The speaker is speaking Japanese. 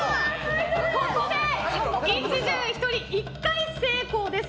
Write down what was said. ここで１巡、１人１回成功です。